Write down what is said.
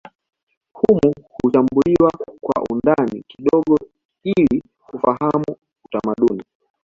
Humu huchambuliwa kwa undani kidogo ili kufahamu utamaduni